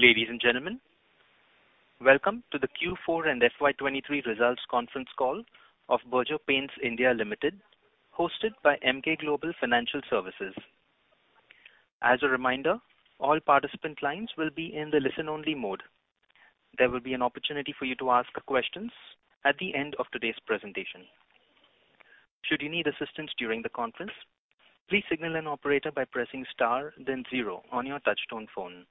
Ladies and gentlemen, welcome to the Q4 and FY 2023 Results Conference Call of Berger Paints India Limited, hosted by Emkay Global Financial Services. As a reminder, all participant lines will be in the listen-only mode. There will be an opportunity for you to ask questions at the end of today's presentation. Should you need assistance during the conference, please signal an operator by pressing Star then Zero on your touchtone phone.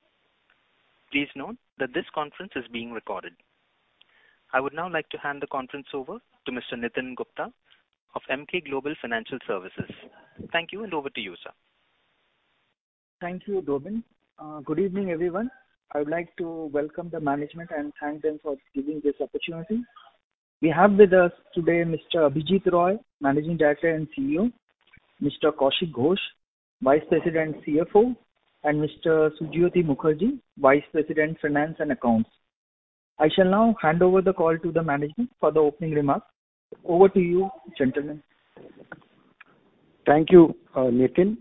Please note that this conference is being recorded. I would now like to hand the conference over to Mr. Nitin Gupta of Emkay Global Financial Services. Thank you. Over to you, sir. Thank you, Dobin. Good evening, everyone. I would like to welcome the management and thank them for giving this opportunity. We have with us today Mr. Abhijit Roy, Managing Director and CEO, Mr. Kaushik Ghosh, Vice President and CFO, and Mr. Sujyoti Mukherjee, Vice President, Finance and Accounts. I shall now hand over the call to the management for the opening remarks. Over to you, gentlemen. Thank you, Nitin.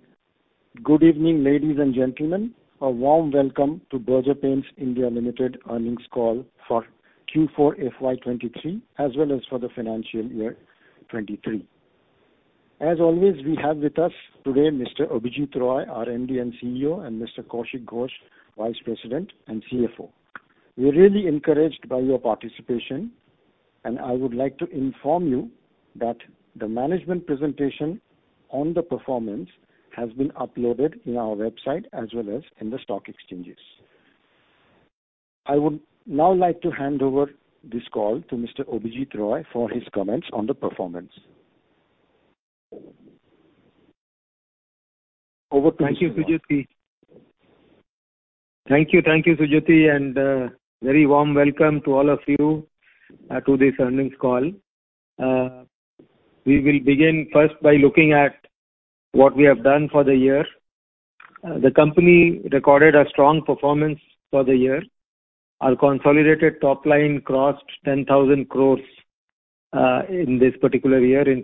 Good evening, ladies and gentlemen. A warm welcome to Berger Paints India Limited earnings call for Q4 FY 2023, as well as for the financial year 2023. As always, we have with us today Mr. Abhijit Roy, our MD and CEO, and Mr. Kaushik Ghosh, Vice President and CFO. We're really encouraged by your participation. I would like to inform you that the management presentation on the performance has been uploaded in our website as well as in the stock exchanges. I would now like to hand over this call to Mr. Abhijit Roy for his comments on the performance. Over to you, sir. Thank you, Sujyoti. A very warm welcome to all of you to this earnings call. We will begin first by looking at what we have done for the year. The company recorded a strong performance for the year. Our consolidated top line crossed 10,000 crore in this particular year in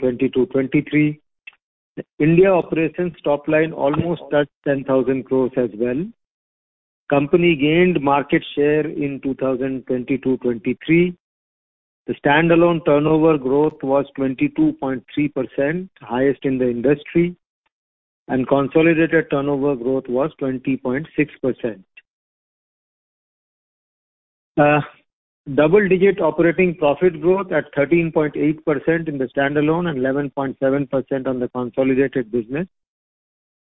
2023. India operations top line almost touched 10,000 crore as well. Company gained market share in 2022/2023. The standalone turnover growth was 22.3%, highest in the industry. Consolidated turnover growth was 20.6%. Double digit operating profit growth at 13.8% in the standalone and 11.7% on the consolidated business.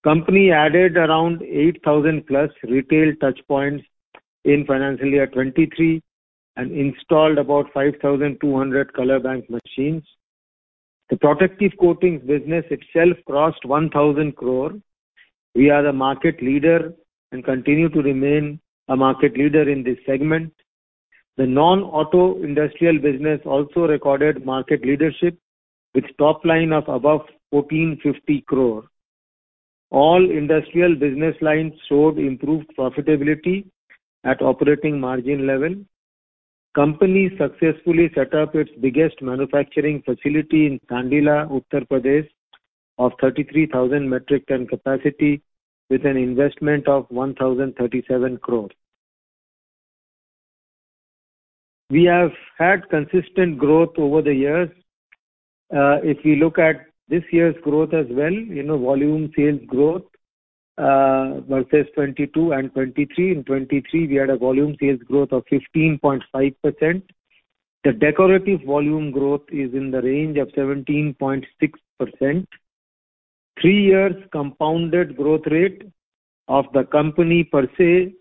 Company added around 8,000+ retail touchpoints in financial year 2023 and installed about 5,200 color bank machines. The Protective Coatings business itself crossed 1,000 crore. We are the market leader and continue to remain a market leader in this segment. The non-auto industrial business also recorded market leadership with top line of above 1,450 crore. All industrial business lines showed improved profitability at operating margin level. Company successfully set up its biggest manufacturing facility in Sandila, Uttar Pradesh, of 33,000 metric ton capacity with an investment of 1,037 crore. We have had consistent growth over the years. If we look at this year's growth as well, you know, volume sales growth versus 2022 and 2023. In 2023, we had a volume sales growth of 15.5%. The decorative volume growth is in the range of 17.6%. Three years compounded growth rate of the company per se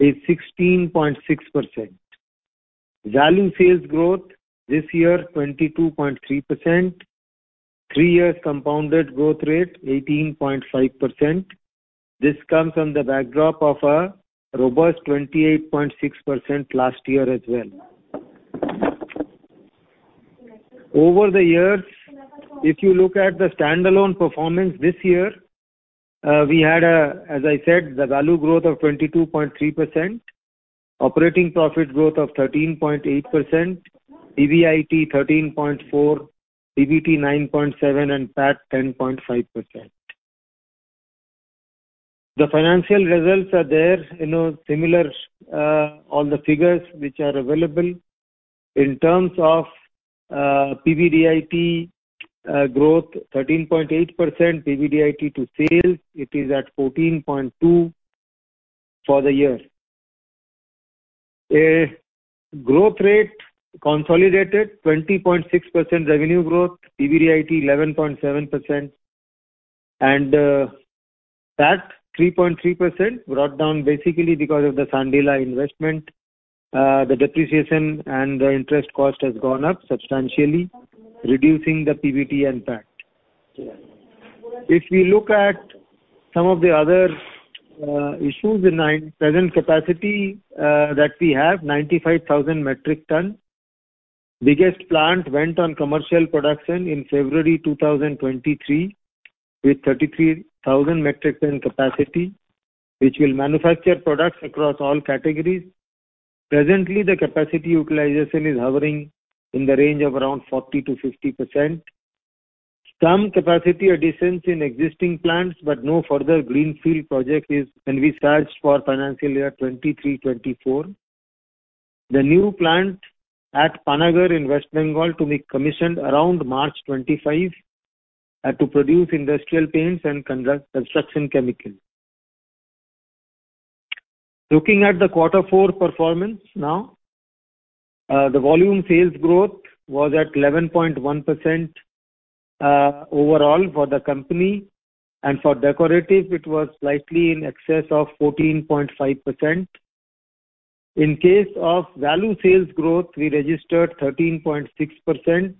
is 16.6%. Value sales growth this year, 22.3%. Three years compounded growth rate, 18.5%. This comes on the backdrop of a robust 28.6% last year as well. Over the years, if you look at the standalone performance this year, as I said, the value growth of 22.3%, operating profit growth of 13.8%, EBIT 13.4%, PBT 9.7%, and PAT 10.5%. The financial results are there, you know, similar on the figures which are available. In terms of PBDIT growth 13.8%. PBDIT to sales, it is at 14.2% for the year. A growth rate consolidated 20.6% revenue growth. PBDIT 11.7%. PAT 3.3% brought down basically because of the Sandila investment. The depreciation and the interest cost has gone up substantially, reducing the PBT and PAT. If we look at some of the other issues in our present capacity that we have 95,000 metric ton. Biggest plant went on commercial production in February 2023 with 33,000 metric ton capacity, which will manufacture products across all categories. Presently, the capacity utilization is hovering in the range of around 40%-50%. Some capacity additions in existing plants, but no further greenfield project can be charged for financial year 2023-2024. The new plant at Panagarh in West Bengal to be commissioned around March 2025 to produce industrial paints and conduct construction chemicals. Looking at the Q4 performance now. The volume sales growth was at 11.1% overall for the company, and for decorative it was slightly in excess of 14.5%. In case of value sales growth, we registered 13.6%.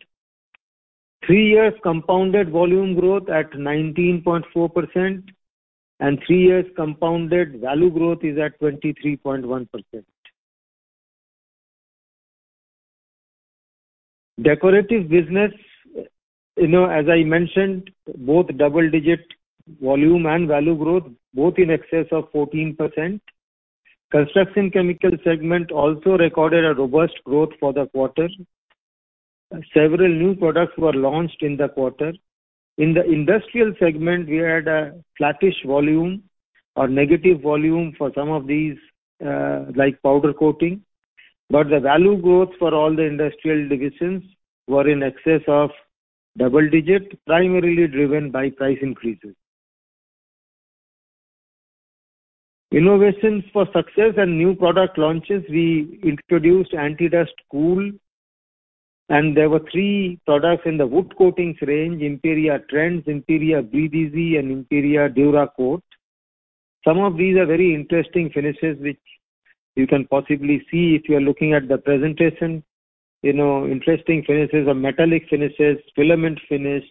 Three years compounded volume growth at 19.4%, and three years compounded value growth is at 23.1%. Decorative business, you know, as I mentioned, both double digit volume and value growth, both in excess of 14%. Construction chemical segment also recorded a robust growth for the quarter. Several new products were launched in the quarter. In the industrial segment, we had a flattish volume or negative volume for some of these, like powder coating, but the value growth for all the industrial divisions were in excess of double digit, primarily driven by price increases. Innovations for success and new product launches, we introduced Anti Dustt Kool, and there were three products in the wood coatings range Imperia Trends, Imperia BDZ and Imperia Duracoat. Some of these are very interesting finishes which you can possibly see if you are looking at the presentation. You know, interesting finishes are metallic finishes, filament finish,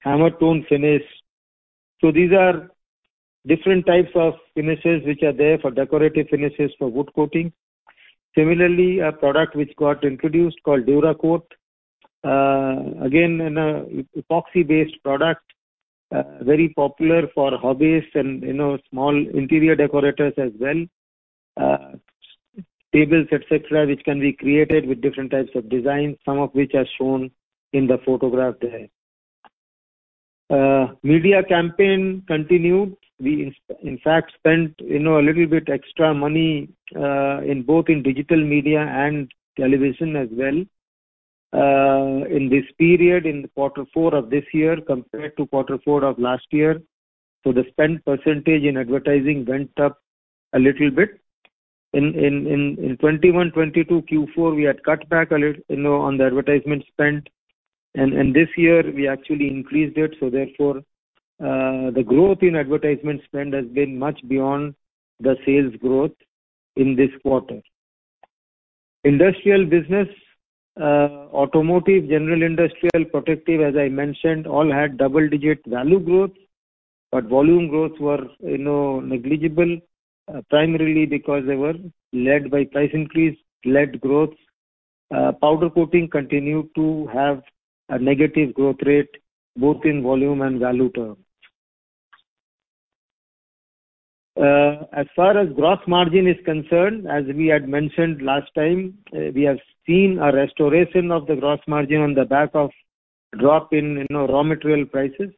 hammer tone finish. These are different types of finishes which are there for decorative finishes for wood coating. Similarly, a product which got introduced called Duracoat, again in an epoxy-based product, very popular for hobbyists and, you know, small interior decorators as well. Tables et cetera, which can be created with different types of designs, some of which are shown in the photograph there. Media campaign continued. We in fact spent, you know, a little bit extra money, in both in digital media and television as well. In this period, in quarter four of this year compared to quarter four of last year. The spend % in advertising went up a little bit. In 2021-2022 Q4 we had cut back, you know, on the advertisement spend. This year we actually increased it, the growth in advertisement spend has been much beyond the sales growth in this quarter. Industrial business, automotive, general industrial, protective, as I mentioned, all had double-digit value growth, volume growth were, you know, negligible, primarily because they were led by price-increase-led growth. Powder coating continued to have a negative growth rate both in volume and value terms. As far as gross margin is concerned, as we had mentioned last time, we have seen a restoration of the gross margin on the back of drop in, you know, raw material prices.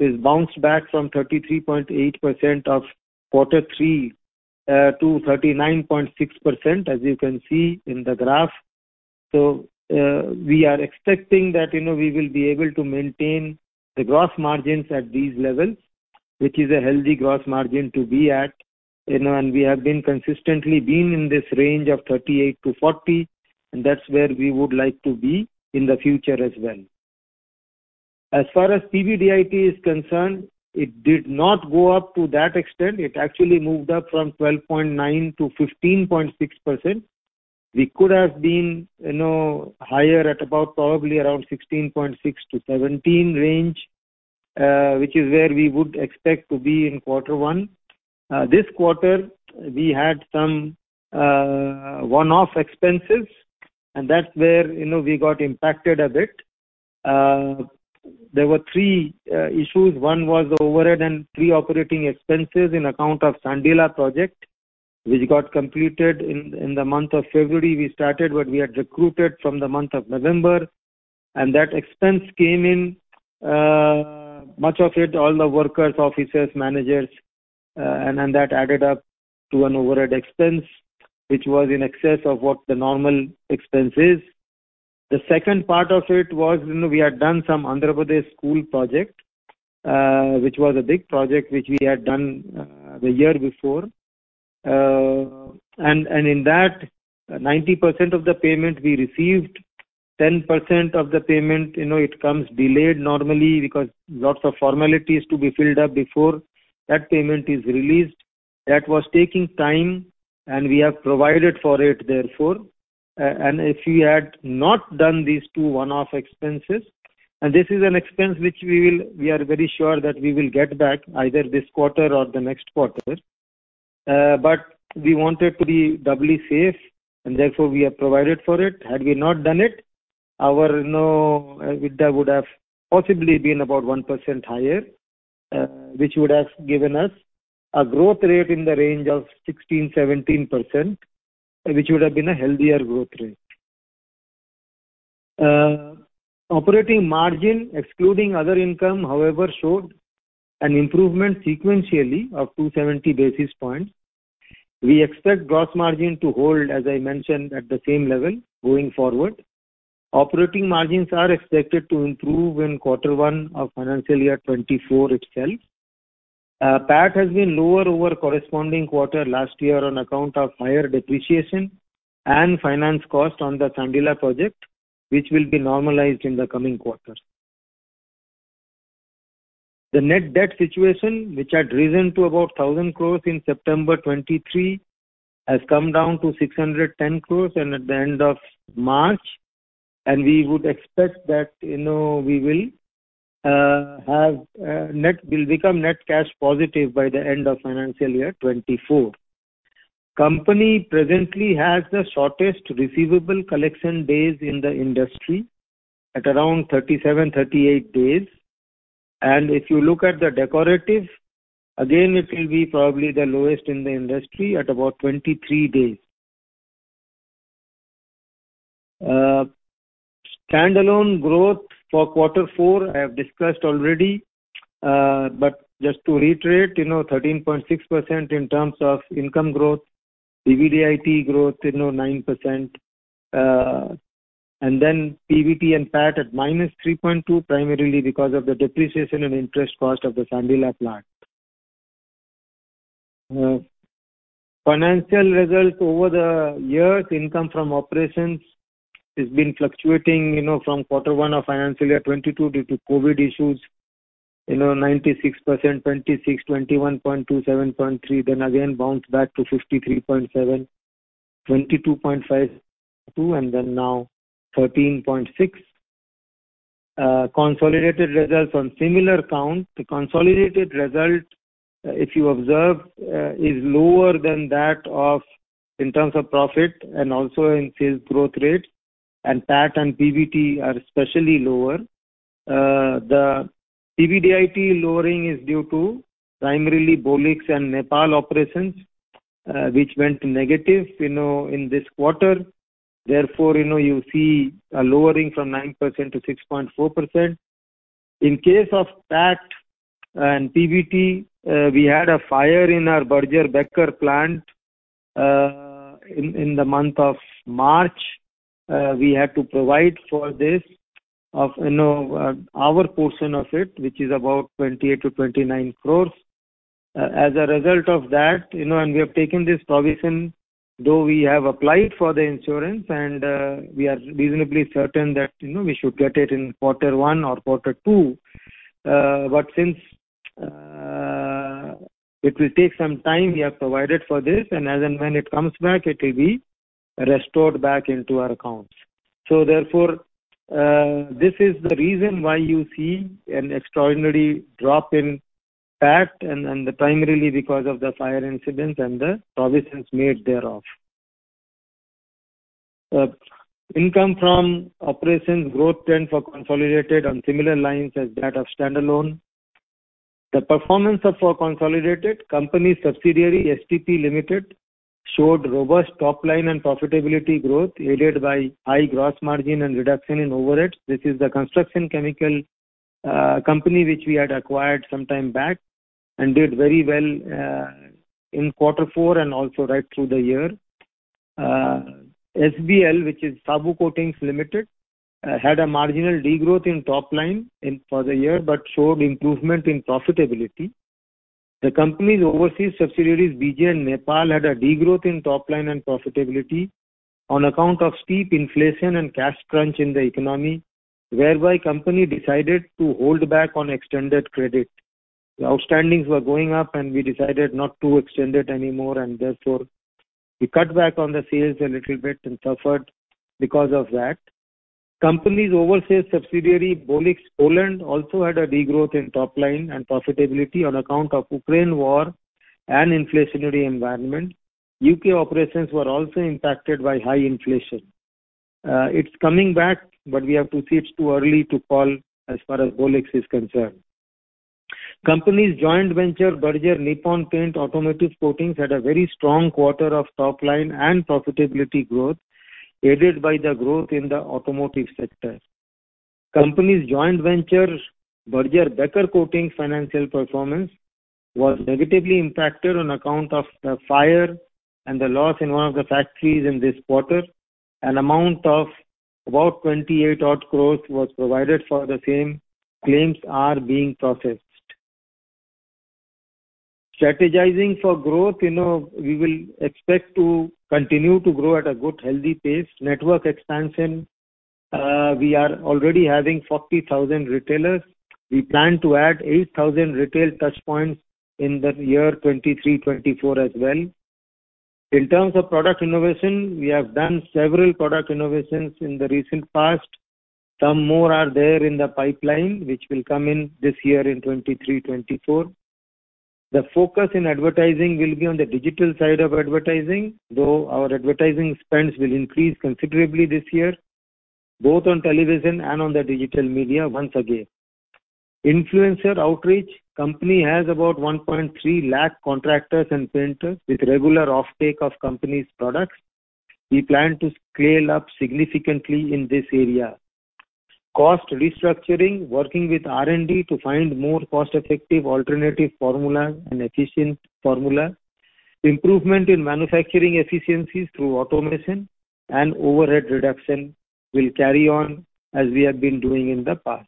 It's bounced back from 33.8% of Q3 to 39.6%, as you can see in the graph. We are expecting that, you know, we will be able to maintain the gross margins at these levels, which is a healthy gross margin to be at, you know, and we have been consistently been in this range of 38%-40%, and that's where we would like to be in the future as well. As far as PBDIT is concerned, it did not go up to that extent. It actually moved up from 12.9%-15.6%. We could have been, you know, higher at about probably around 16.6%-17% range, which is where we would expect to be in quarter one. This quarter we had some one-off expenses, and that's where, you know, we got impacted a bit. There were three issues. One was overhead and pre-operating expenses in account of Sandila project, which got completed in the month of February. We started what we had recruited from the month of November. That expense came in, much of it, all the workers, officers, managers, and then that added up to an overhead expense, which was in excess of what the normal expense is. The second part of it was, you know, we had done some Andhra Pradesh school project, which was a big project which we had done the year before. In that 90% of the payment we received. 10% of the payment, you know, it comes delayed normally because lots of formalities to be filled up before that payment is released. That was taking time, and we have provided for it therefore. If we had not done these two one-off expenses. This is an expense which we are very sure that we will get back either this quarter or the next quarter. We wanted to be doubly safe, and therefore we have provided for it. Had we not done it, our, you know, EBITDA would have possibly been about 1% higher, which would have given us a growth rate in the range of 16%-17%. Which would have been a healthier growth rate. Operating margin excluding other income, however, showed an improvement sequentially of 270 basis points. We expect gross margin to hold, as I mentioned, at the same level going forward. Operating margins are expected to improve in Q1 of financial year 2024 itself. PAT has been lower over corresponding quarter last year on account of higher depreciation and finance cost on the Sandila project, which will be normalized in the coming quarters. The net debt situation, which had risen to about 1,000 crore in September 2023, has come down to 610 crore and at the end of March, and we would expect that, you know, we will become net cash positive by the end of financial year 2024. Company presently has the shortest receivable collection days in the industry at around 37, 38 days. If you look at the decorative, again, it will be probably the lowest in the industry at about 23 days. Standalone growth for quarter four, I have discussed already. Just to reiterate, you know, 13.6% in terms of income growth, EBITDA growth, you know, 9%. PBT and PAT at -3.2%, primarily because of the depreciation and interest cost of the Sandila plant. Financial results over the years, income from operations has been fluctuating, you know, from quarter one of financial year 2022 due to COVID issues. You know, 96%, 26%, 21.2%, 7.3%, then again bounced back to 53.7%, 22.52%, and now 13.6%. Consolidated results on similar count. The consolidated result, if you observe, is lower than that of... In terms of profit and also in sales growth rate, PAT and PBT are especially lower. The EBITDA lowering is due to primarily Bolix and Nepal operations, which went negative, you know, in this quarter. Therefore, you know, you see a lowering from 9% to 6.4%. In case of PAT and PBT, we had a fire in our Berger Becker plant in the month of March. We had to provide for this of, you know, our portion of it, which is about 28 crore-29 crore. As a result of that, you know, we have taken this provision, though we have applied for the insurance and we are reasonably certain that, you know, we should get it in quarter one or quarter two. Since it will take some time, we have provided for this, and as and when it comes back, it will be restored back into our accounts. Therefore, this is the reason why you see an extraordinary drop in PAT and primarily because of the fire incident and the provisions made thereof. Income from operations growth trend for consolidated on similar lines as that of standalone. The performance of our consolidated company subsidiary, STP Limited, showed robust top line and profitability growth, aided by high gross margin and reduction in overheads. This is the construction chemical company which we had acquired some time back and did very well in quarter four and also right through the year. SBL, which is Saboo Coatings Limited, had a marginal degrowth in top line in for the year, but showed improvement in profitability. The company's overseas subsidiaries, BJ and Nepal, had a degrowth in top line and profitability on account of steep inflation and cash crunch in the economy, whereby company decided to hold back on extended credit. The outstandings were going up, and we decided not to extend it anymore, and therefore we cut back on the sales a little bit and suffered because of that. Company's overseas subsidiary, Bolix Poland, also had a degrowth in top line and profitability on account of Ukraine war and inflationary environment. U.K. operations were also impacted by high inflation. It's coming back, but we have to see. It's too early to call as far as Bolix is concerned. Company's joint venture, Berger Nippon Paint Automotive Coatings, had a very strong quarter of top line and profitability growth, aided by the growth in the automotive sector. Company's joint venture, Berger Becker Coatings's financial performance, was negatively impacted on account of the fire and the loss in one of the factories in this quarter. An amount of about 28 odd crore was provided for the same. Claims are being processed. Strategizing for growth, you know, we will expect to continue to grow at a good, healthy pace. Network expansion, we are already having 40,000 retailers. We plan to add 8,000 retail touchpoints in the year 2023/2024 as well. In terms of product innovation, we have done several product innovations in the recent past. Some more are there in the pipeline, which will come in this year in 2023/2024. The focus in advertising will be on the digital side of advertising, though our advertising spends will increase considerably this year, both on television and on the digital media once again. Influencer outreach. Company has about 1.3 lakh contractors and painters with regular offtake of company's products. We plan to scale up significantly in this area. Cost restructuring, working with R&D to find more cost-effective alternative formulas and efficient formula. Improvement in manufacturing efficiencies through automation and overhead reduction will carry on as we have been doing in the past.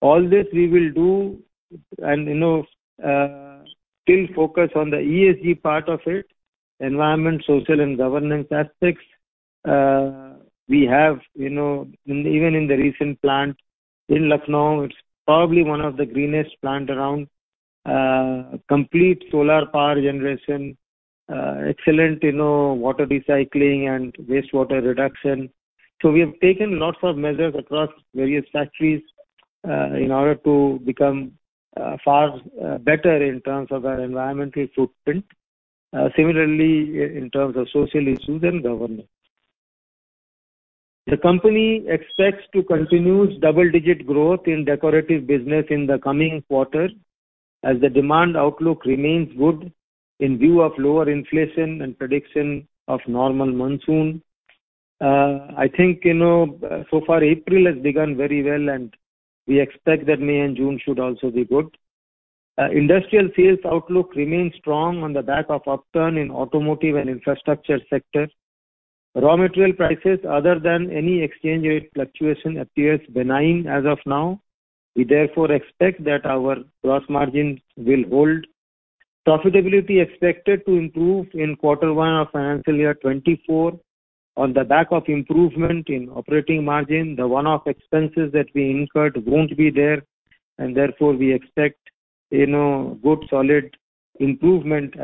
All this we will do, you know, still focus on the ESG part of it, environment, social and governance aspects. We have, you know, even in the recent plant in Lucknow, it's probably one of the greenest plant around. Complete solar power generation, excellent, you know, water recycling and wastewater reduction. We have taken lots of measures across various factories, in order to become far better in terms of our environmental footprint. Similarly in terms of social issues and governance. The company expects to continue double-digit growth in decorative business in the coming quarter as the demand outlook remains good in view of lower inflation and prediction of normal monsoon. I think, you know, so far April has begun very well, and we expect that May and June should also be good. Industrial sales outlook remains strong on the back of upturn in automotive and infrastructure sector. Raw material prices other than any exchange rate fluctuation appears benign as of now. We therefore expect that our gross margins will hold. Profitability expected to improve in Q1 of financial year 24 on the back of improvement in operating margin. The one-off expenses that we incurred won't be there, and therefore we expect, you know, good solid improvement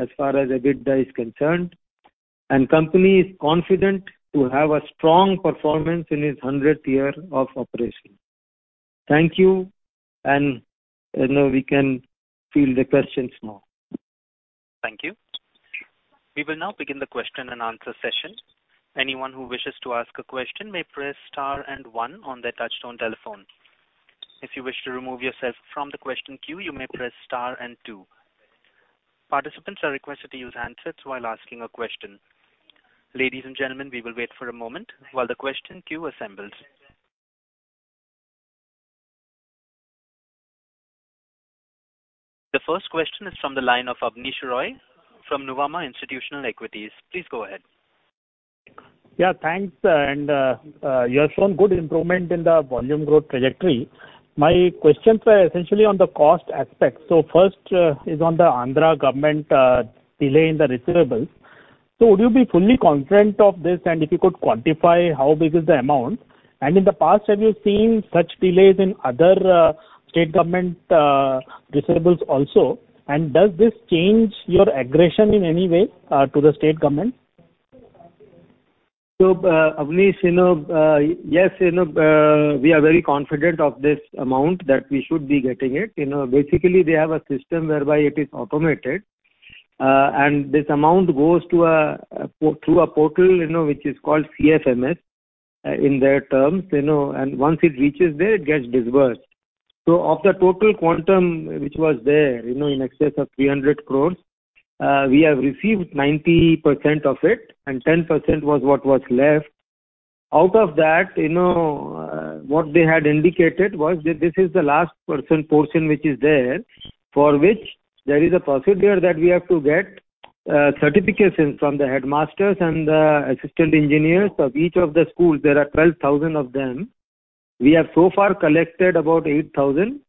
as far as EBITDA is concerned. Company is confident to have a strong performance in its 100th year of operation. Thank you. You know, we can field the questions now. Thank you. We will now begin the question-and-answer session. Anyone who wishes to ask a question may press star and one on their touchtone telephone. If you wish to remove yourself from the question queue, you may press star and two. Participants are requested to use handsets while asking a question. Ladies and gentlemen, we will wait for a moment while the question queue assembles. The first question is from the line of Abneesh Roy from Nuvama Institutional Equities. Please go ahead. Yeah, thanks. You have shown good improvement in the volume growth trajectory. My questions are essentially on the cost aspect. First is on the Andhra government delay in the receivables. Would you be fully confident of this? If you could quantify how big is the amount? In the past, have you seen such delays in other state government receivables also? Does this change your aggression in any way to the state government? Abneesh, you know, yes, you know, we are very confident of this amount that we should be getting it. You know, basically, they have a system whereby it is automated, and this amount goes to a, through a portal, you know, which is called CFMS, in their terms, you know. Once it reaches there, it gets disbursed. Of the total quantum which was there, you know, in excess of 300 crore, we have received 90% of it, and 10% was what was left. Out of that, you know, what they had indicated was that this is the last percent portion which is there, for which there is a procedure that we have to get certifications from the headmasters and the assistant engineers of each of the schools. There are 12,000 of them. We have so far collected about 8,000.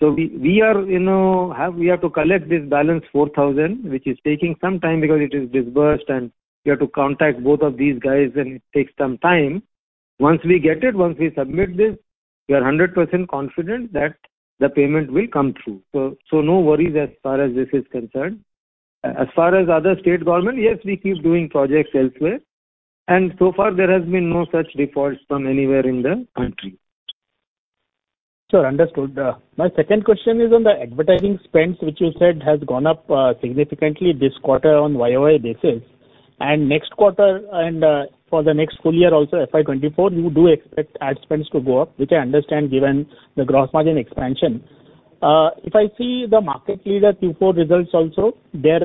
We have to collect this balance 4,000, which is taking some time because it is disbursed and we have to contact both of these guys and it takes some time. Once we get it, once we submit this, we are 100% confident that the payment will come through. No worries as far as this is concerned. As far as other state government, yes, we keep doing projects elsewhere, and so far there has been no such defaults from anywhere in the country. Sure, understood. My second question is on the advertising spends, which you said has gone up significantly this quarter on year-over-year basis. Next quarter and for the next full year also, FY 2024, you do expect ad spends to go up, which I understand given the gross margin expansion. If I see the market leader Q4 results also, their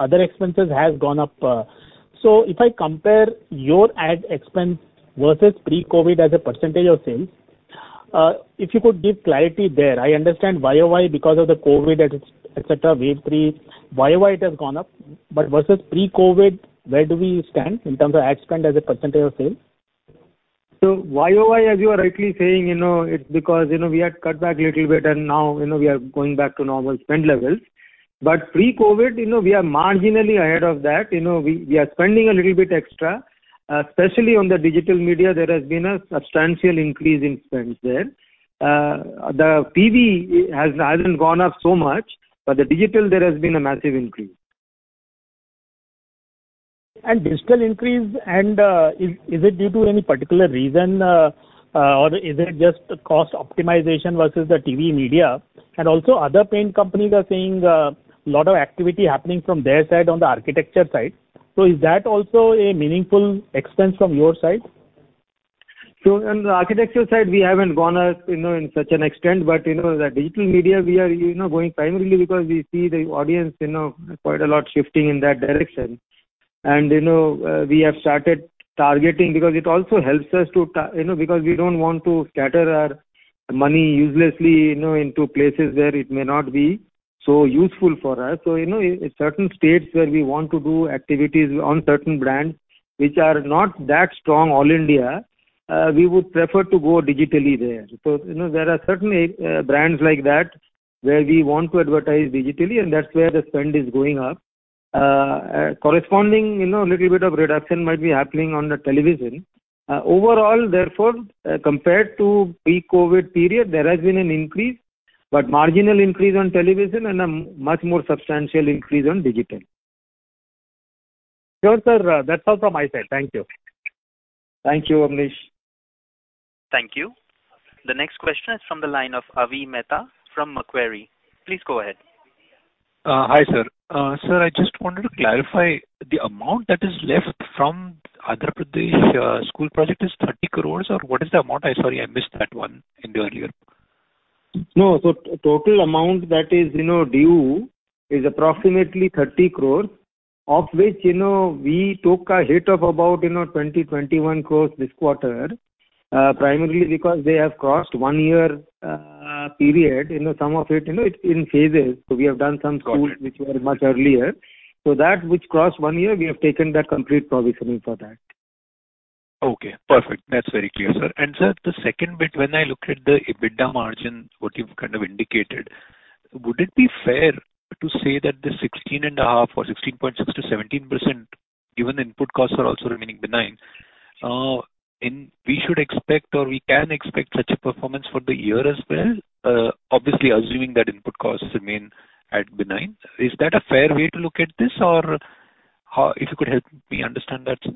other expenses has gone up. If I compare your ad expense versus pre-COVID as a percentage of sales, if you could give clarity there. I understand year-over-year because of the COVID etcetera, wave three, year-over-year it has gone up. Versus pre-COVID, where do we stand in terms of ad spend as a percentage of sales? Year-over-year, as you are rightly saying, you know, it's because, you know, we had cut back little bit and now, you know, we are going back to normal spend levels. Pre-COVID, you know, we are marginally ahead of that. You know, we are spending a little bit extra, especially on the digital media, there has been a substantial increase in spends there. The TV hasn't gone up so much, but the digital there has been a massive increase. Digital increase, is it due to any particular reason, or is it just cost optimization versus the TV media? Also other paint companies are saying a lot of activity happening from their side on the architecture side. Is that also a meaningful expense from your side? On the architecture side, we haven't gone, you know, in such an extent. The digital media we are, you know, going primarily because we see the audience, you know, quite a lot shifting in that direction. We have started targeting because it also helps us, you know, because we don't want to scatter our money uselessly, you know, into places where it may not be so useful for us. In certain states where we want to do activities on certain brands which are not that strong all India, we would prefer to go digitally there. There are certain brands like that where we want to advertise digitally, and that's where the spend is going up. Corresponding, you know, little bit of reduction might be happening on the television. Overall, therefore, compared to pre-COVID period, there has been an increase, but marginal increase on television and a much more substantial increase on digital. Sure, sir. That's all from my side. Thank you. Thank you, Abneesh. Thank you. The next question is from the line of Avi Mehta from Macquarie. Please go ahead. Hi, sir. Sir, I just wanted to clarify the amount that is left from Andhra Pradesh school project is 30 crore, or what is the amount? I sorry, I missed that one in the earlier. No. Total amount that is, you know, due is approximately 30 crore, of which, you know, we took a hit of about, you know, 20-21 crore this quarter, primarily because they have crossed one year period. You know, some of it, you know, it's in phases. We have done some schools- Got it. which were much earlier. That which crossed 1 year, we have taken the complete provisioning for that. Okay, perfect. That's very clear, sir. Sir, the second bit, when I look at the EBITDA margin, what you've kind of indicated, would it be fair to say that the 16.5 or 16.6%-17%, given input costs are also remaining benign, and we should expect or we can expect such a performance for the year as well, obviously assuming that input costs remain at benign. Is that a fair way to look at this or how... If you could help me understand that, sir?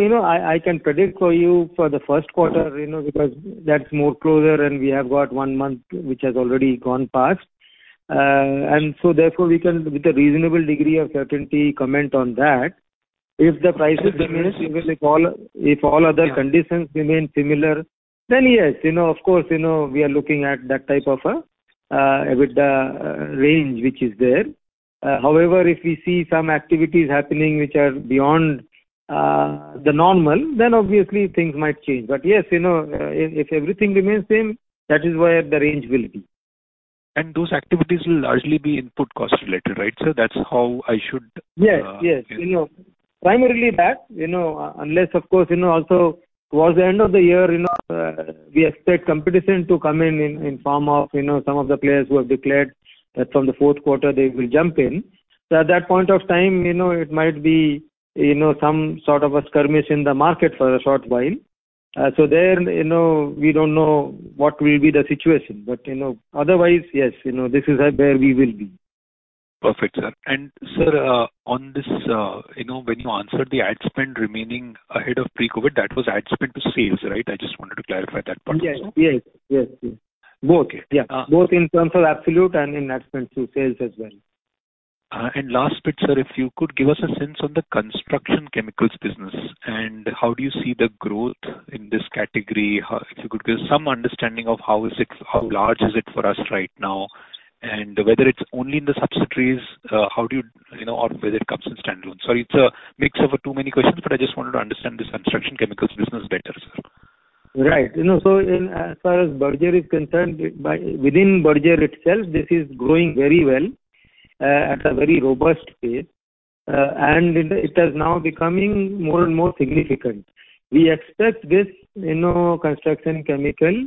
You know, I can predict for you for the first quarter, you know, because that's more closer and we have got one month which has already gone past. Therefore we can with a reasonable degree of certainty comment on that. If the prices remain similar, if all other conditions remain similar, then yes, you know, of course, you know, we are looking at that type of EBITDA range which is there. However, if we see some activities happening which are beyond the normal, then obviously things might change. Yes, you know, if everything remains same, that is where the range will be. Those activities will largely be input cost related, right, sir? That's how I should. Yes, yes. You know, primarily that. You know, unless of course, you know, also towards the end of the year, you know, we expect competition to come in form of, you know, some of the players who have declared that from the fourth quarter they will jump in. At that point of time, you know, it might be, you know, some sort of a skirmish in the market for a short while. There, you know, we don't know what will be the situation, but, you know, otherwise, yes, you know, this is where we will be. Perfect, sir. Sir, on this, you know, when you answered the ad spend remaining ahead of pre-COVID, that was ad spend to sales, right? I just wanted to clarify that part also. Yes. Yes. Yes. Yes. Okay. Both. Yeah. Uh- Both in terms of absolute and in ad spend to sales as well. Last bit, sir, if you could give us a sense on the construction chemicals business and how do you see the growth in this category? If you could give some understanding of how large is it for us right now, and whether it's only in the subsidiaries, or whether it comes in standalone. Sorry, it's a mix of too many questions, but I just wanted to understand this construction chemicals business better, sir. You know, in as far as Berger is concerned, by within Berger itself, this is growing very well at a very robust pace. It is now becoming more and more significant. We expect this, you know, construction chemical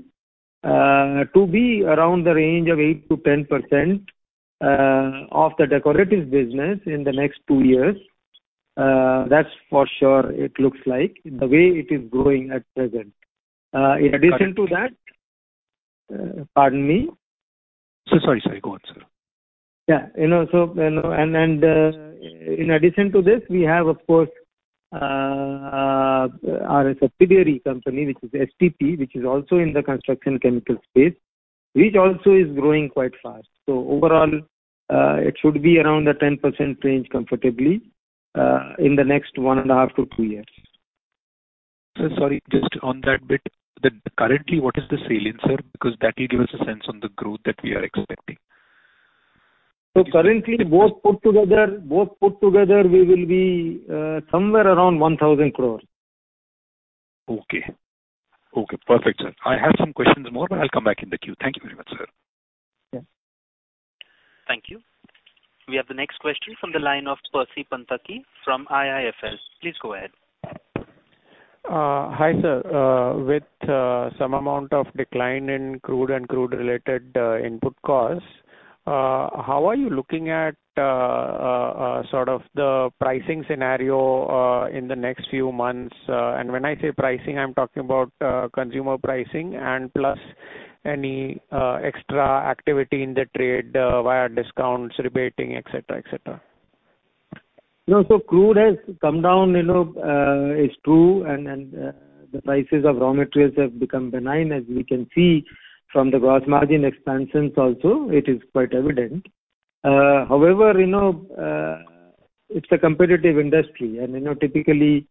to be around the range of 8%-10% of the decoratives business in the next two years. That's for sure it looks like, the way it is growing at present. In addition to that. Pardon me. Sorry. Sorry. Go on, sir. Yeah. You know, you know, in addition to this, we have of course, our subsidiary company, which is STP, which is also in the construction chemical space, which also is growing quite fast. Overall, it should be around the 10% range comfortably, in the next one and a half to two years. Sir, sorry, just on that bit. Currently, what is the ceiling, sir? That will give us a sense on the growth that we are expecting. Currently, both put together, we will be somewhere around 1,000 crore. Okay. Okay, perfect, sir. I have some questions more, but I'll come back in the queue. Thank you very much, sir. Yeah. Thank you. We have the next question from the line of Percy Panthaki from IIFL. Please go ahead. Hi, sir. With some amount of decline in crude and crude related input costs, how are you looking at sort of the pricing scenario in the next few months? When I say pricing, I'm talking about consumer pricing and plus any extra activity in the trade via discounts, rebating, et cetera, et cetera. Crude has come down, you know, it's true. The prices of raw materials have become benign, as we can see from the gross margin expansions also. It is quite evident. However, you know, it's a competitive industry and, you know, typically,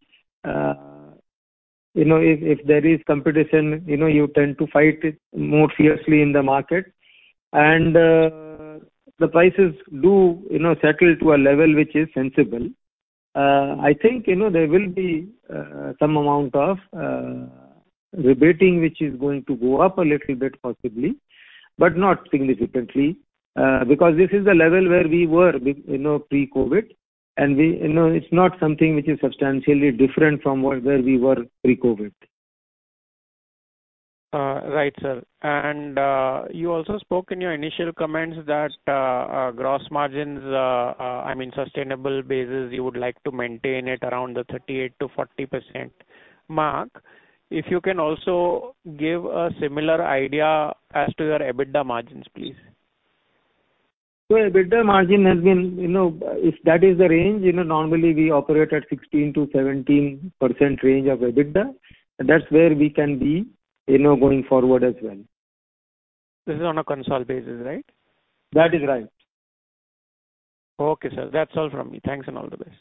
you know, if there is competition, you know, you tend to fight it more fiercely in the market and the prices do, you know, settle to a level which is sensible. I think, you know, there will be some amount of rebating which is going to go up a little bit possibly, but not significantly. Because this is the level where we were, you know, pre-COVID, and we... You know, it's not something which is substantially different from where we were pre-COVID. Right, sir. You also spoke in your initial comments that, our gross margins, I mean, sustainable basis, you would like to maintain it around the 38% to 40% mark. If you can also give a similar idea as to your EBITDA margins, please. EBITDA margin has been, you know, if that is the range, you know, normally we operate at 16%-17% range of EBITDA. That's where we can be, you know, going forward as well. This is on a console basis, right? That is right. Okay, sir. That's all from me. Thanks, and all the best.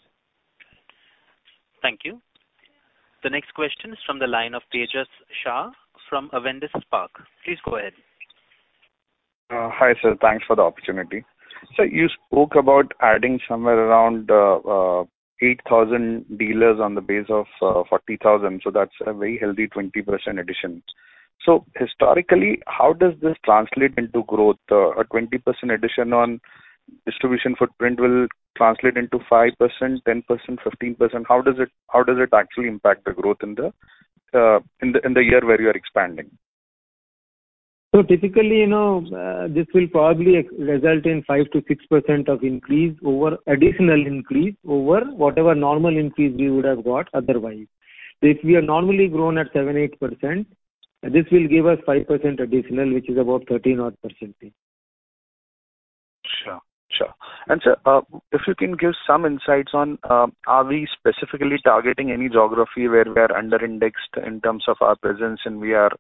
Thank you. The next question is from the line of Tejas Shah from Avendus Spark. Please go ahead. Hi, sir. Thanks for the opportunity. You spoke about adding somewhere around 8,000 dealers on the base of 40,000, that's a very healthy 20% addition. Historically, how does this translate into growth? A 20% addition on distribution footprint will translate into 5%, 10%, 15%. How does it actually impact the growth in the year where you are expanding? Typically, you know, this will probably result in 5%-6% of increase over additional increase over whatever normal increase we would have got otherwise. If we are normally growing at 7%-8%, this will give us 5% additional, which is about 13 odd %. Sure. Sure. Sir, if you can give some insights on, are we specifically targeting any geography where we are under-indexed in terms of our presence, and we are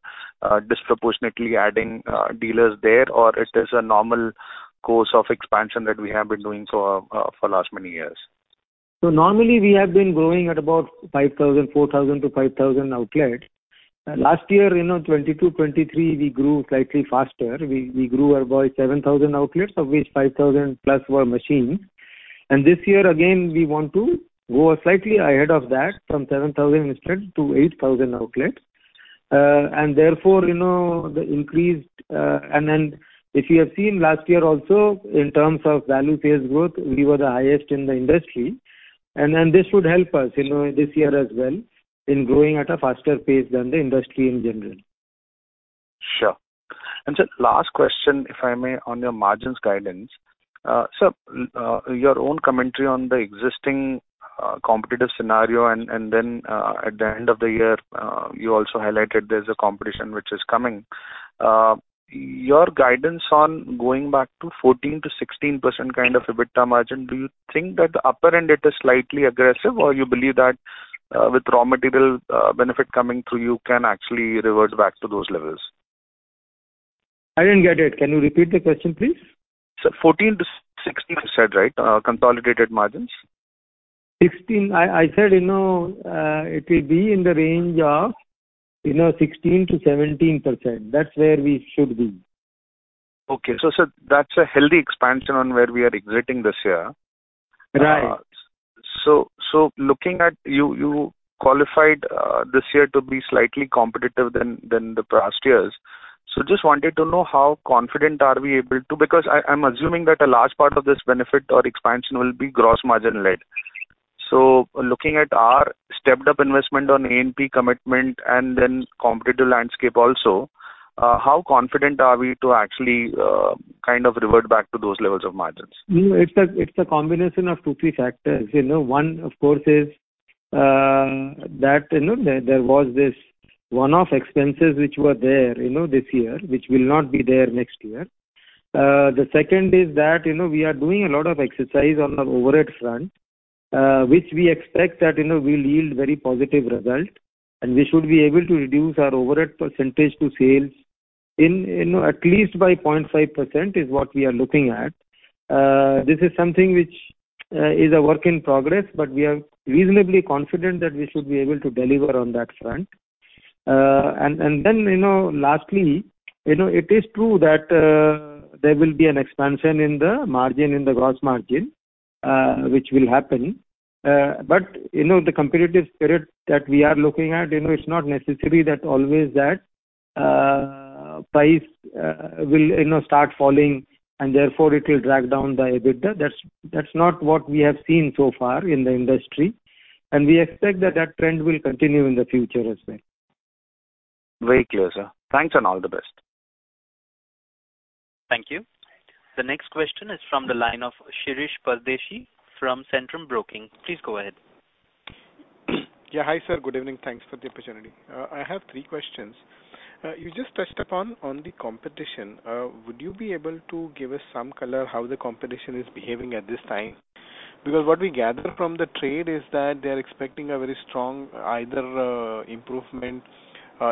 disproportionately adding dealers there, or it is a normal course of expansion that we have been doing so, for last many years? Normally we have been growing at about 5,000, 4,000-5,000 outlet. Last year, you know, 2020-2023 we grew slightly faster. We grew about 7,000 outlets, of which 5,000+ were machines. This year again, we want to go slightly ahead of that from 7,000 instead to 8,000 outlets. Therefore, you know. If you have seen last year also in terms of value phase growth, we were the highest in the industry. This would help us, you know, this year as well in growing at a faster pace than the industry in general. Sure. Last question, if I may, on your margins guidance. Your own commentary on the existing competitive scenario at the end of the year, you also highlighted there's a competition which is coming. Your guidance on going back to 14%-16% kind of EBITDA margin, do you think that the upper end it is slightly aggressive, or you believe that with raw material benefit coming through, you can actually revert back to those levels? I didn't get it. Can you repeat the question, please? Sir, 14%-16% you said, right? Consolidated margins. 16. I said, you know, it will be in the range of, you know, 16%-17%. That's where we should be. Okay. That's a healthy expansion on where we are exiting this year. Right. Looking at you qualified this year to be slightly competitive than the past years. Just wanted to know how confident are we? Because I'm assuming that a large part of this benefit or expansion will be gross margin led. Looking at our stepped up investment on ANP commitment and then competitive landscape also, how confident are we to actually kind of revert back to those levels of margins? You know, it's a combination of two, three factors. You know, one of course is that, you know, there was this one-off expenses which were there, you know, this year, which will not be there next year. The second is that, you know, we are doing a lot of exercise on our overhead front, which we expect that, you know, will yield very positive result, and we should be able to reduce our overhead percentage to sales in, you know, at least by 0.5% is what we are looking at. This is something which is a work in progress, but we are reasonably confident that we should be able to deliver on that front. You know, lastly, you know, it is true that there will be an expansion in the margin, in the gross margin, which will happen. You know, the competitive spirit that we are looking at, you know, it's not necessary that always that price will, you know, start falling and therefore it will drag down the EBITDA. That's not what we have seen so far in the industry. We expect that that trend will continue in the future as well. Very clear, sir. Thanks, and all the best. Thank you. The next question is from the line of Shirish Pardeshi from Centrum Broking. Please go ahead. Yeah. Hi, sir. Good evening. Thanks for the opportunity. I have 3 questions. You just touched upon the competition. Would you be able to give us some color how the competition is behaving at this time? What we gather from the trade is that they're expecting a very strong either improvement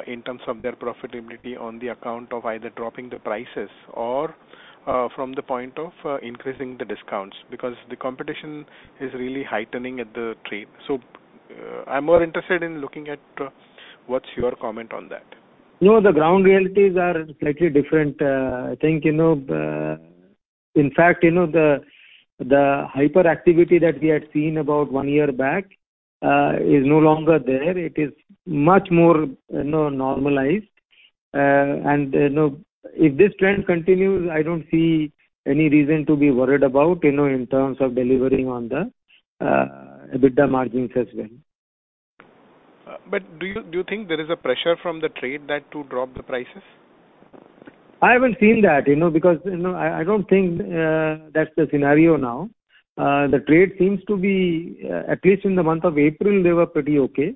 in terms of their profitability on the account of either dropping the prices or from the point of increasing the discounts because the competition is really heightening at the trade. I'm more interested in looking at what's your comment on that. No, the ground realities are slightly different. I think, you know, in fact, you know, the hyperactivity that we had seen about one year back, is no longer there. It is much more, you know, normalized. If this trend continues, I don't see any reason to be worried about, you know, in terms of delivering on the EBITDA margins as well. Do you think there is a pressure from the trade that to drop the prices? I haven't seen that, you know, because, you know, I don't think that's the scenario now. The trade seems to be at least in the month of April, they were pretty okay.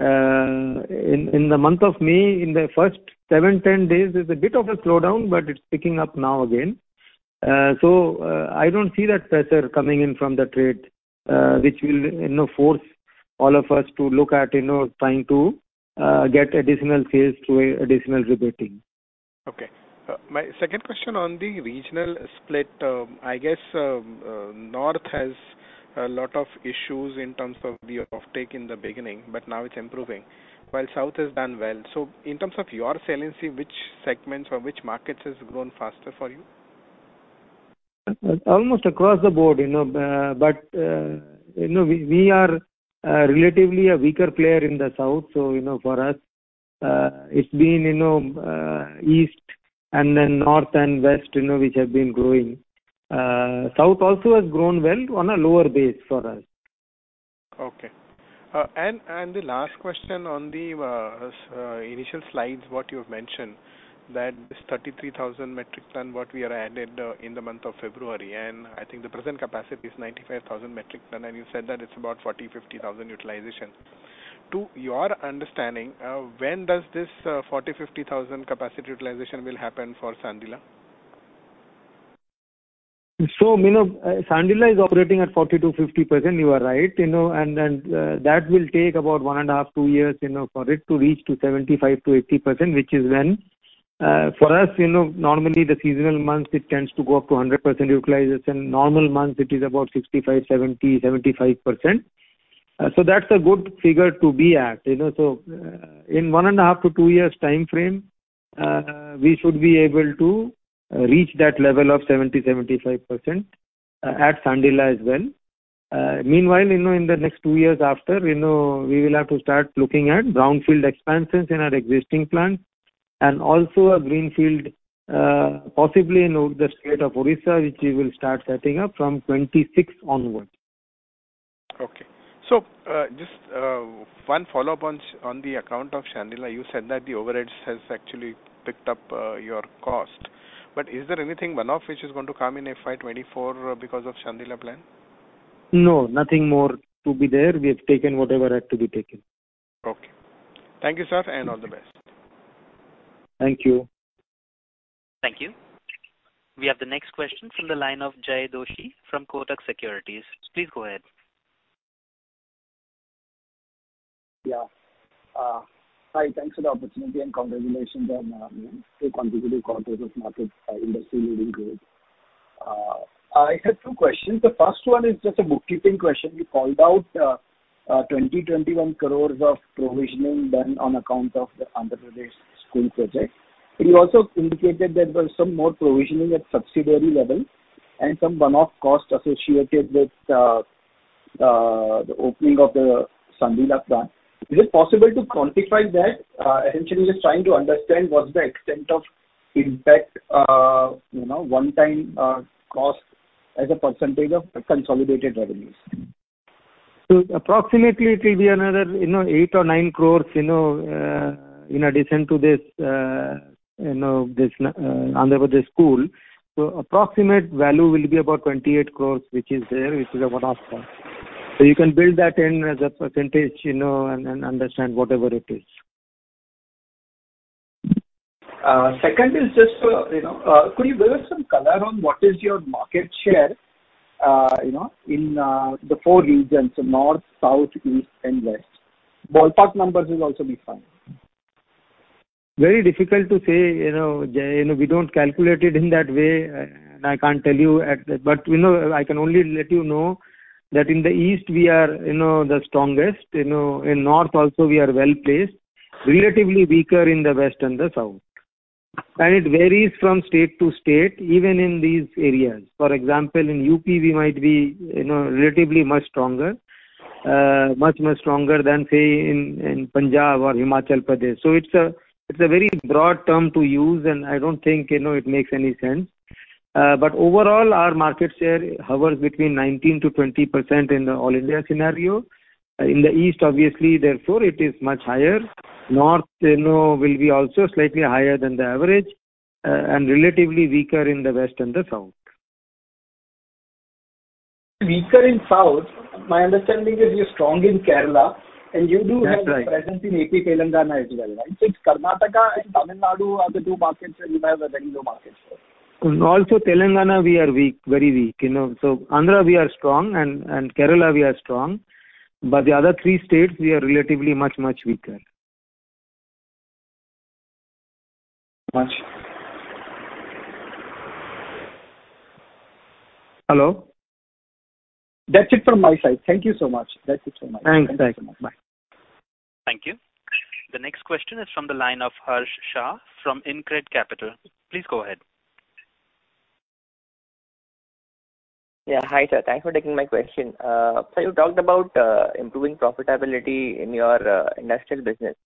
In the month of May, in the first 7, 10 days, there's a bit of a slowdown, but it's picking up now again. I don't see that pressure coming in from the trade, which will, you know, force all of us to look at, you know, trying to get additional sales through additional rebating. Okay. My second question on the regional split. I guess, North has a lot of issues in terms of the offtake in the beginning, but now it's improving, while South has done well. In terms of your salency, which segments or which markets has grown faster for you? Almost across the board, you know. You know, we are, relatively a weaker player in the South. You know, for us, it's been, you know, East and then North and West, you know, which have been growing. South also has grown well on a lower base for us. Okay. The last question on the initial slides, what you have mentioned, that this 33,000 metric ton, what we had added in the month of February, and I think the present capacity is 95,000 metric ton, and you said that it's about 40, 50 thousand utilization. To your understanding, when does this 40, 50 thousand capacity utilization will happen for Sandila? You know, Sandila is operating at 40%-50%, you are right. You know, that will take about 1.5, 2 years, you know, for it to reach to 75%-80%, which is when. For us, you know, normally the seasonal months it tends to go up to 100% utilization. Normal months it is about 65%, 70%, 75%. That's a good figure to be at. You know, in 1.5-2 years timeframe, we should be able to reach that level of 70%, 75% at Sandila as well. Meanwhile, you know, in the next two years after, you know, we will have to start looking at brownfield expansions in our existing plant and also a greenfield, possibly in the state of Odisha, which we will start setting up from 2026 onwards. Okay. just one follow-up on the account of Sandila. You said that the overheads has actually picked up your cost. Is there anything one-off which is going to come in FY 2024 because of Sandila plant? No, nothing more to be there. We have taken whatever had to be taken. Okay. Thank you, sir, and all the best. Thank you. Thank you. We have the next question from the line of Jay Doshi from Kotak Securities. Please go ahead. Yeah. Hi, thanks for the opportunity and congratulations on, you know, three consecutive quarters of market, industry-leading growth. I have two questions. The first one is just a bookkeeping question. You called out, 20, 21 crore of provisioning done on account of the Andhra Pradesh school project. You also indicated there was some more provisioning at subsidiary level and some one-off costs associated with, the opening of the Sandila plant. Is it possible to quantify that? Essentially just trying to understand what's the extent of impact, you know, one time, cost as a percentage of consolidated revenues. Approximately it will be another, you know, 8 crore or 9 crore, you know, in addition to this, you know, this Andhra Pradesh school. Approximate value will be about 28 crore, which is there, which is a one-off cost. You can build that in as a percentage, you know, and understand whatever it is. Second is just, you know, could you give us some color on what is your market share, you know, in, the 4 regions, North, South, East and West? Ballpark numbers will also be fine. Very difficult to say. You know, Jay, you know, we don't calculate it in that way. I can't tell you. You know, I can only let you know that in the East we are, you know, the strongest. You know, in North also we are well-placed. Relatively weaker in the West and the South. It varies from state to state, even in these areas. For example, in UP we might be, you know, relatively much stronger. Much stronger than, say, in Punjab or Himachal Pradesh. It's a very broad term to use, and I don't think, you know, it makes any sense. Overall, our market share hovers between 19%-20% in the All India scenario. In the East, obviously, therefore it is much higher. North, you know, will be also slightly higher than the average, and relatively weaker in the West and the South. Weaker in South, my understanding is you're strong in Kerala. That's right. have presence in AP, Telangana as well, right? It's Karnataka and Tamil Nadu are the two markets where you have a very low market share. Also Telangana, we are weak, very weak, you know. Andhra we are strong and Kerala we are strong, but the other three states we are relatively much, much weaker. Much. Hello. That's it from my side. Thank you so much. That's it from my side. Thanks. Thanks. Bye. Thank you. The next question is from the line of Harsh Shah from Incred Capital. Please go ahead. Yeah. Hi, sir. Thanks for taking my question. You talked about improving profitability in your industrial business.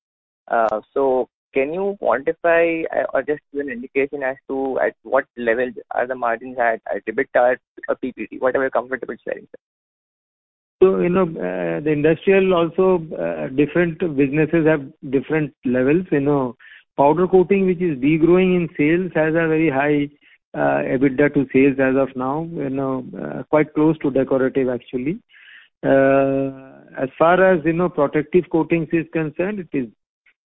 Can you quantify or just give an indication as to at what level are the margins at EBITDA or PBDIT, whatever you're comfortable sharing, sir? You know, the industrial also, different businesses have different levels. You know, powder coating, which is degrowing in sales, has a very high EBITDA to sales as of now, you know, quite close to decorative actually. As far as, you know, protective coatings is concerned, it is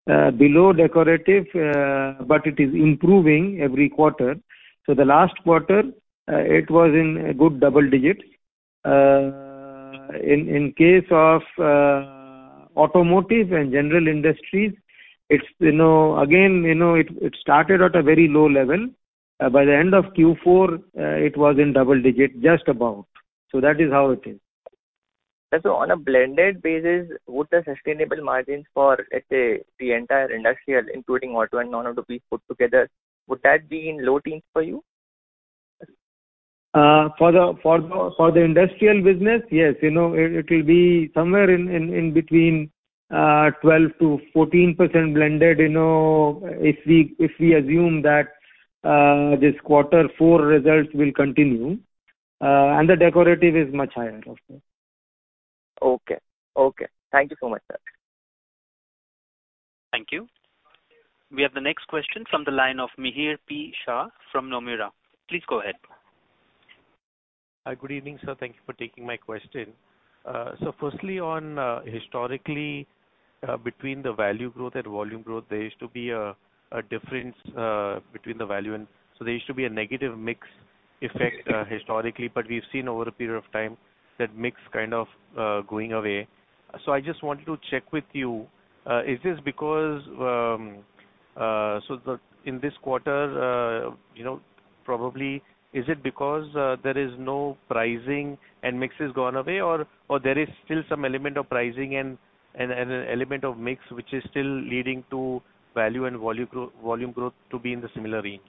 below decorative, but it is improving every quarter. The last quarter, it was in a good double digits. In, in case of, automotive and general industries, it's, you know, again, you know, it started at a very low level. By the end of Q4, it was in double digit, just about. That is how it is. On a blended basis, would the sustainable margins for, let's say, the entire industrial, including auto and non-auto being put together, would that be in low teens for you? For the industrial business, yes. You know, it will be somewhere in between 12%-14% blended, you know, if we assume that, this quarter four results will continue. The decorative is much higher, of course. Okay. Okay. Thank you so much, sir. Thank you. We have the next question from the line of Mihir P. Shah from Nomura. Please go ahead. Hi. Good evening, sir. Thank you for taking my question. firstly on historically between the value growth and volume growth, there used to be a difference between the value and. There used to be a negative mix effect historically, but we've seen over a period of time that mix kind of going away. I just wanted to check with you, is this because, in this quarter, you know, probably is it because there is no pricing and mix has gone away or there is still some element of pricing and an element of mix which is still leading to value and volume growth to be in the similar range?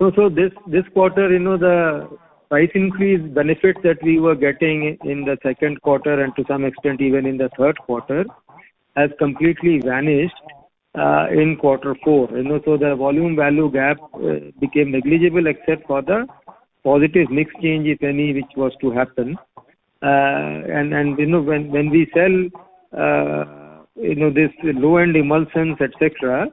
This quarter, you know, the price increase benefits that we were getting in the second quarter and to some extent even in the third quarter has completely vanished in quarter four. You know, the volume value gap became negligible except for the positive mix change if any which was to happen. You know, when we sell, you know, this low-end emulsions, et cetera,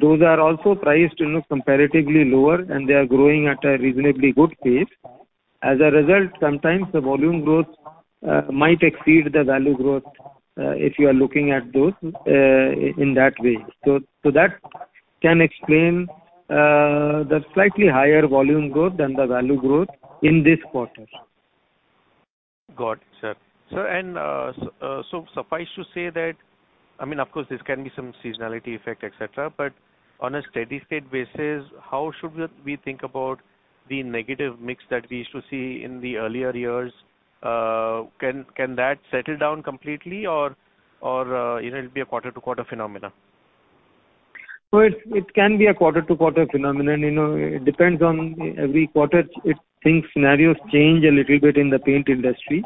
those are also priced, you know, comparatively lower, and they are growing at a reasonably good pace. As a result, sometimes the volume growth might exceed the value growth if you are looking at those in that way. That can explain the slightly higher volume growth than the value growth in this quarter. Got it, sir. Sir, suffice to say that, I mean, of course, this can be some seasonality effect, et cetera, but on a steady state basis, how should we think about the negative mix that we used to see in the earlier years? Can that settle down completely or, you know, it'll be a quarter-to-quarter phenomena? It can be a quarter to quarter phenomenon. You know, it depends on every quarter. Things, scenarios change a little bit in the paint industry.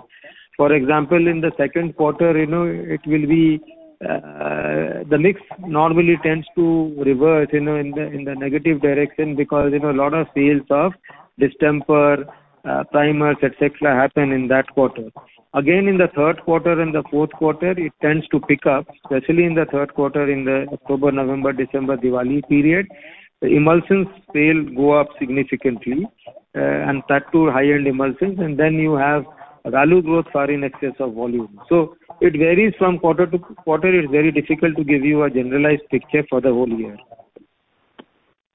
For example, in the second quarter, you know, it will be the mix normally tends to reverse, you know, in the, in the negative direction because, you know, a lot of sales of distemper, primers, et cetera, happen in that quarter. Again, in the third quarter and the fourth quarter, it tends to pick up, especially in the third quarter in the October, November, December Diwali period. The emulsions sale go up significantly, and that too high-end emulsions, and then you have value growth far in excess of volume. It varies from quarter to quarter. It's very difficult to give you a generalized picture for the whole year.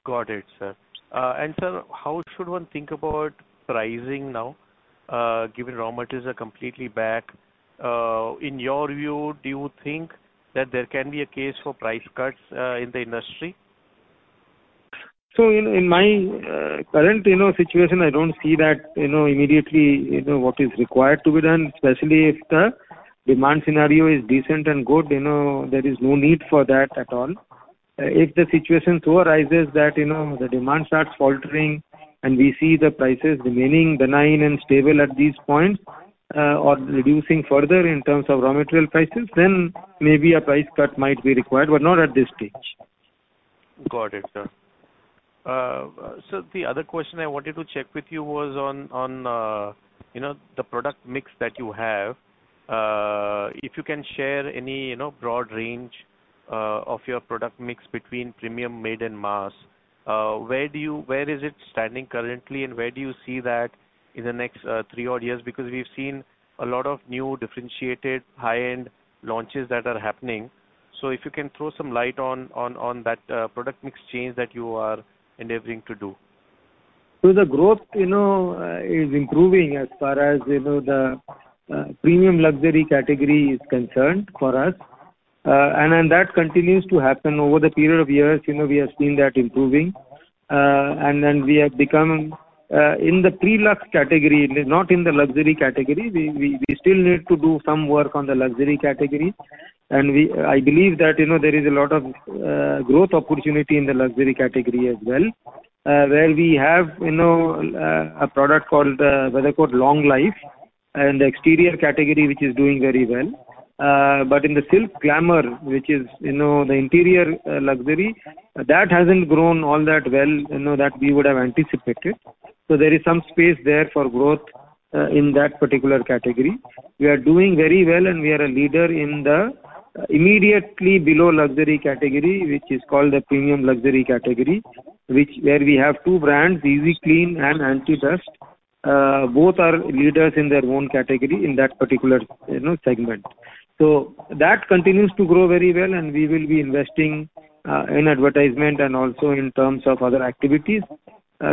Got it, sir. Sir, how should one think about pricing now, given raw materials are completely back? In your view, do you think that there can be a case for price cuts, in the industry? In my, you know, current, you know, situation, I don't see that, you know, immediately, you know, what is required to be done, especially if the demand scenario is decent and good, you know, there is no need for that at all. If the situation so arises that, you know, the demand starts faltering and we see the prices remaining benign and stable at these points, or reducing further in terms of raw material prices, then maybe a price cut might be required, but not at this stage. Got it, sir. The other question I wanted to check with you was on, you know, the product mix that you have. If you can share any, you know, broad range, of your product mix between premium, mid, and mass. Where is it standing currently, and where do you see that in the next, three odd years? We've seen a lot of new differentiated high-end launches that are happening. If you can throw some light on that, product mix change that you are endeavoring to do. The growth, you know, is improving as far as, you know, the premium luxury category is concerned for us. That continues to happen over the period of years. You know, we have seen that improving. We have become in the pre-lux category, not in the luxury category. We still need to do some work on the luxury category. I believe that, you know, there is a lot of growth opportunity in the luxury category as well, where we have, you know, a product called WeatherCoat Long Life in the exterior category, which is doing very well. In the Silk Glamor, which is, you know, the interior luxury, that hasn't grown all that well, you know, that we would have anticipated. There is some space there for growth in that particular category. We are doing very well, and we are a leader in the immediately below luxury category, which is called the premium luxury category, which where we have two brands, Easy Clean and Anti Dustt. Both are leaders in their own category in that particular, you know, segment. That continues to grow very well, and we will be investing in advertisement and also in terms of other activities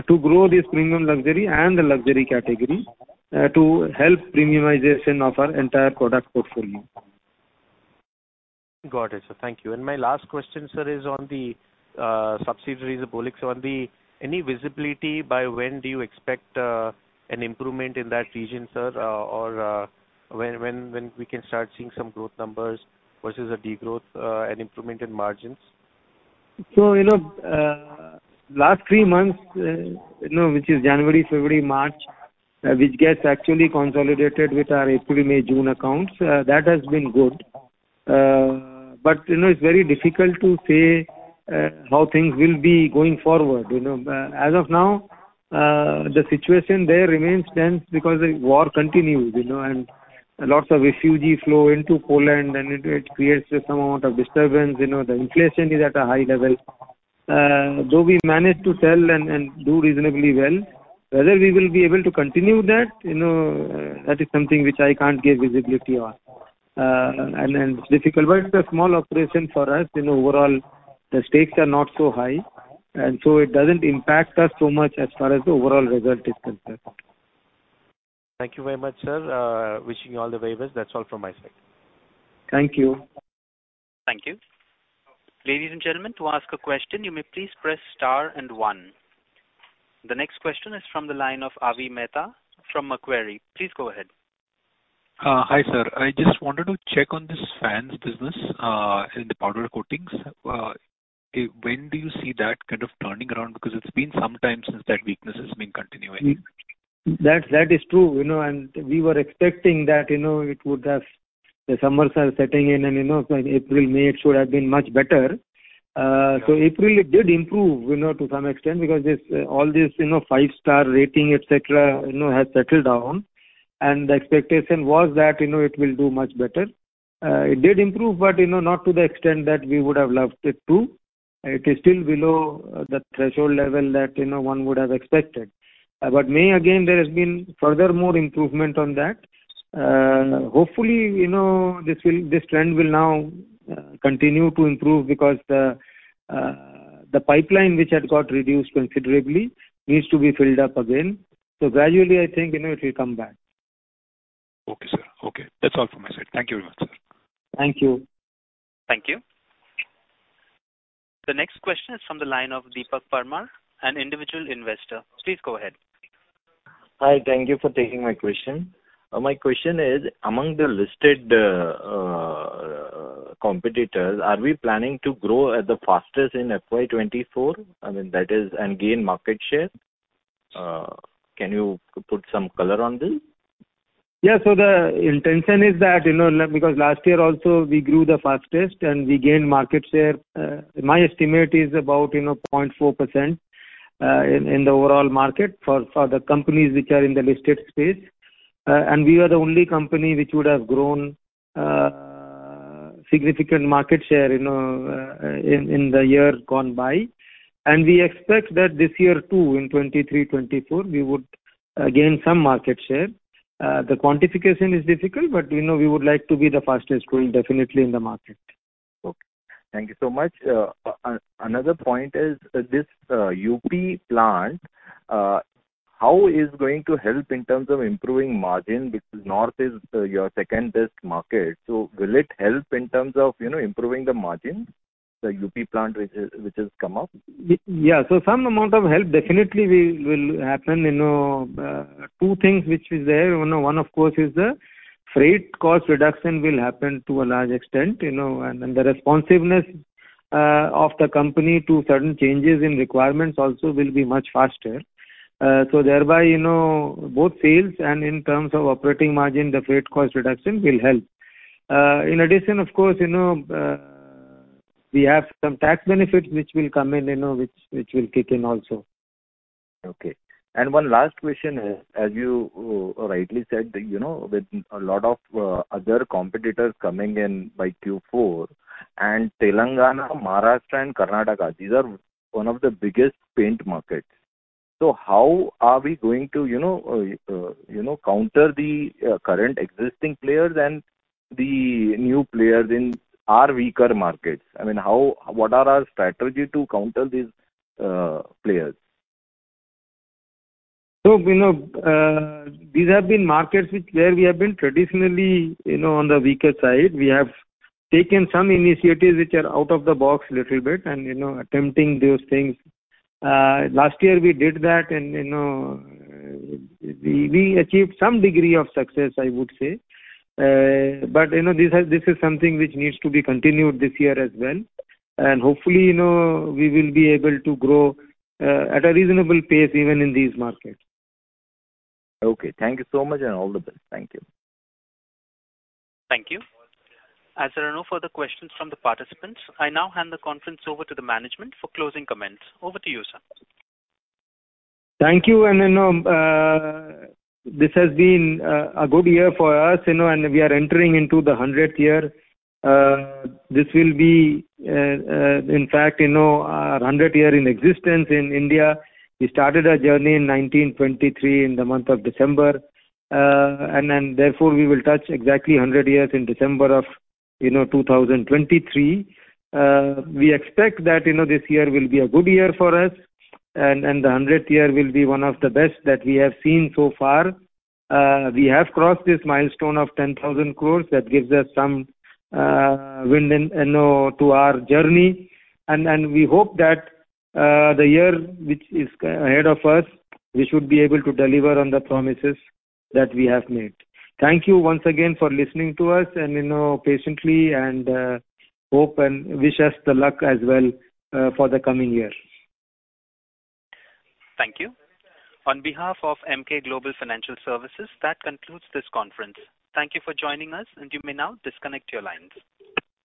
to grow this premium luxury and the luxury category to help premiumization of our entire product portfolio. Got it, sir. Thank you. My last question, sir, is on the subsidiaries of Polycab. On the any visibility by when do you expect an improvement in that region, sir? When we can start seeing some growth numbers versus a degrowth and improvement in margins? you know, last three months, you know, which is January, February, March, which gets actually consolidated with our April, May, June accounts, that has been good. But you know, it's very difficult to say, how things will be going forward, you know. As of now, the situation there remains tense because the war continues, you know, and lots of refugees flow into Poland and it creates some amount of disturbance. You know, the inflation is at a high level. Though we managed to sell and do reasonably well, whether we will be able to continue that, you know, that is something which I can't give visibility on. Difficult. But it's a small operation for us. You know, overall the stakes are not so high, and so it doesn't impact us so much as far as the overall result is concerned. Thank you very much, sir. Wishing you all the very best. That's all from my side. Thank you. Thank you. Ladies and gentlemen, to ask a question, you may please press star and one. The next question is from the line of Avi Mehta from Macquarie. Please go ahead. Hi, sir. I just wanted to check on this fans business in the powder coatings. When do you see that kind of turning around? It's been some time since that weakness has been continuing. That's, that is true, you know, we were expecting that, you know. The summers are setting in and, you know, so in April, May, it should have been much better. April it did improve, you know, to some extent because this, all this, you know, 5-star rating, et cetera, you know, has settled down. The expectation was that, you know, it will do much better. It did improve, you know, not to the extent that we would have loved it to. It is still below the threshold level that, you know, one would have expected. May again, there has been further more improvement on that. Hopefully, you know, this trend will now continue to improve because the pipeline which had got reduced considerably needs to be filled up again. Gradually, I think, you know, it will come back. Okay, sir. Okay, that's all from my side. Thank you very much, sir. Thank you. Thank you. The next question is from the line of Deepak Parmar, an individual investor. Please go ahead. Hi. Thank you for taking my question. My question is among the listed, competitors, are we planning to grow at the fastest in FY 2024, I mean, that is, and gain market share? Can you put some color on this? Yeah. The intention is that, you know, because last year also we grew the fastest and we gained market share. My estimate is about, you know, 0.4% in the overall market for the companies which are in the listed space. We are the only company which would have grown significant market share, you know, in the year gone by. We expect that this year too, in 2023-2024, we would gain some market share. The quantification is difficult, but, you know, we would like to be the fastest growing definitely in the market. Okay. Thank you so much. another point is this UP plant, how is going to help in terms of improving margin? North is your second best market. Will it help in terms of, you know, improving the margin, the UP plant which has come up? Yeah. Some amount of help definitely will happen. You know, two things which is there. You know, one of course is the freight cost reduction will happen to a large extent, you know, and the responsiveness of the company to certain changes in requirements also will be much faster. Thereby, you know, both sales and in terms of operating margin, the freight cost reduction will help. In addition, of course, you know, we have some tax benefits which will come in, you know, which will kick in also. Okay. One last question. As you rightly said, you know, with a lot of other competitors coming in by Q4 and Telangana, Maharashtra and Karnataka, these are one of the biggest paint markets. How are we going to, you know, counter the current existing players and the new players in our weaker markets? I mean, what are our strategy to counter these players? You know, these have been markets which where we have been traditionally, you know, on the weaker side. We have taken some initiatives which are out of the box little bit and, you know, attempting those things. Last year we did that and, you know, we achieved some degree of success, I would say. You know, this is something which needs to be continued this year as well, and hopefully, you know, we will be able to grow at a reasonable pace even in these markets. Okay. Thank you so much, and all the best. Thank you. Thank you. As there are no further questions from the participants, I now hand the conference over to the management for closing comments. Over to you, sir. Thank you. You know, this has been a good year for us, you know, and we are entering into the 100th year. This will be, in fact, you know, our 100 year in existence in India. We started our journey in 1923 in the month of December. Therefore, we will touch exactly 100 years in December of, you know, 2023. We expect that, you know, this year will be a good year for us and the 100 year will be one of the best that we have seen so far. We have crossed this milestone of 10,000 crore. That gives us some wind in, you know, to our journey. And we hope that the year which is ahead of us, we should be able to deliver on the promises that we have made. Thank you once again for listening to us and, you know, patiently and hope and wish us the luck as well for the coming year. Thank you. On behalf of Emkay Global Financial Services, that concludes this conference. Thank you for joining us, and you may now disconnect your lines.